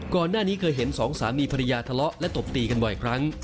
ก่อนหน้านี้เคยเห็นสองสามีภรรยาทะเลาะและตบตีกันบ่อยครั้ง